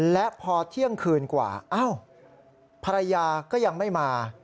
และพอเที่ยงคืนกว่าอ้าวภรรยาก็ยังไม่มา